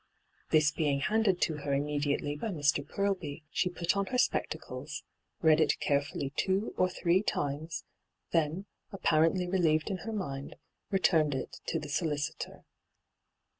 This being handed to her immediately by Mr. Purlby, she put on her spectacles, read it carefully two or three' times ; then, apparently relieved in her mind, returned it to the solicitor.